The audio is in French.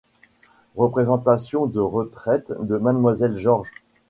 Représentation de retraite de Mlle George.